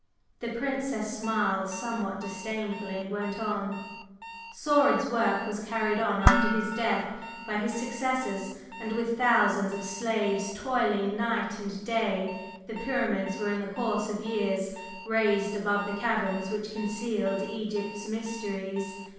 The Princess smiled somewhat disdainfully, and went on: "Saurid's work was carried on after his death by his successors, and with thousands of slaves toiling night and day the Pyramids were in the course of years raised above the caverns which concealed Egypt's mysteries.